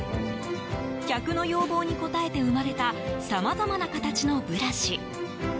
客の要望に応えて生まれたさまざまな形のブラシ。